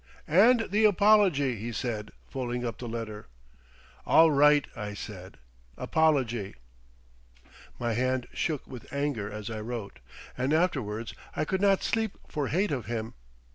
"And the apology," he said, folding up the letter. "All right," I said; "Apology." My hand shook with anger as I wrote, and afterwards I could not sleep for hate of him.